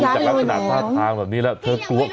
อ๋อย้ายออกแล้ว